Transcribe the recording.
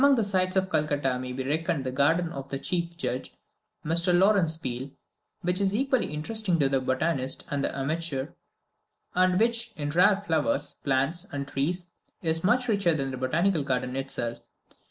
Among the sights of Calcutta may be reckoned the garden of the chief judge, Mr. Lawrence Peel, which is equally interesting to the botanist and the amateur, and which, in rare flowers, plants, and trees, is much richer than the Botanical Garden itself.